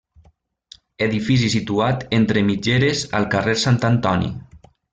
Edifici situat entre mitgeres al carrer Sant Antoni.